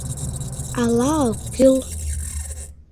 — Ала ок кӱл?